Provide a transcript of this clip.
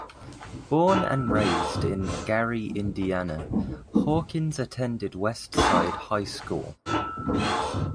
Born and raised in Gary, Indiana, Hawkins attended West Side High School.